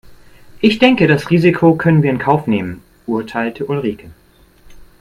"Ich denke das Risiko können wir in Kauf nehmen", urteilte Ulrike.